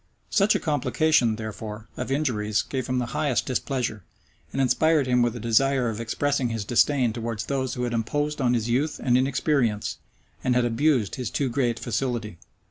Such a complication, therefore, of injuries gave him the highest displeasure, and inspired him with a desire of expressing his disdain towards those who had imposed on his youth and inexperience, and had abused his too great facility.